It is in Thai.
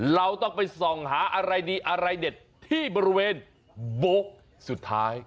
เราต้องไปส่องหาอะไรดีอะไรเด็ดที่บริเวณโบ๊คสุดท้าย